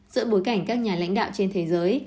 giữa bối cảnh các nhà lãnh đạo trên thế giới